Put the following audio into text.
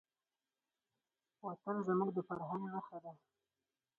وطن زموږ د فرهنګ نښه ده.